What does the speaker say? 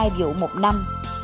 hai vụ một năm